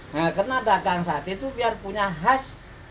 nah karena dagang sate itu biar punya khas